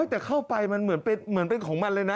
แต่เข้าไปมันเหมือนเป็นของมันเลยนะ